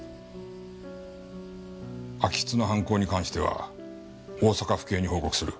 安芸津の犯行に関しては大阪府警に報告する。